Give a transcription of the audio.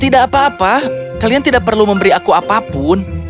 tidak apa apa kalian tidak perlu memberi aku apapun